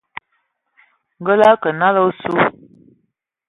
Ngǝ lǝ kǝ nalǝ a osu,